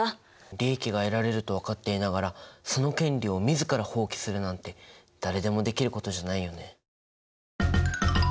利益が得られると分かっていながらその権利を自ら放棄するなんて誰でもできることじゃないよね。